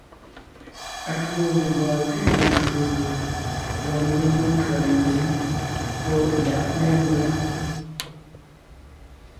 Ashwòŋo ngiembɔɔn gẅiin mencwò gʉ̀ lɔg ńdiŋ menkʉ̀a mezíŋ pɔ́ ndàʼ mémbʉa.